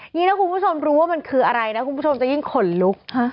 นี่ถ้าคุณผู้ชมรู้ว่ามันคืออะไรนะคุณผู้ชมจะยิ่งขนลุก